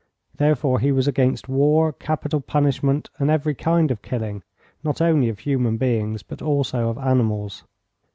Therefore he was against war, capital punishment and every kind of killing, not only of human beings, but also of animals.